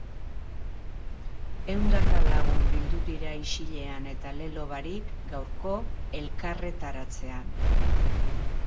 Ehundaka lagun bildu dira isilean eta lelo barik gaurko elkarretaratzean.